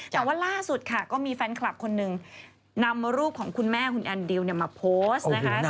แต่ว่าล่าสุดค่ะก็มีแฟนคลับคนหนึ่งนำรูปของคุณแม่คุณแอนดิวมาโพสต์นะคะ